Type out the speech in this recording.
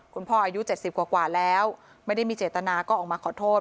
คุณพ่ออายุ๗๐กว่าแล้วไม่ได้มีเจตนาก็ออกมาขอโทษ